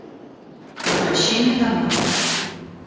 Возвращение домой.